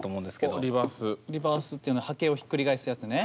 リバースっていうのは波形をひっくり返すやつね。